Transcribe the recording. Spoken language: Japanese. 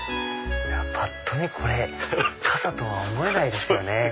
ぱっと見これ傘とは思えないですよね。